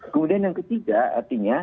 kemudian yang ketiga artinya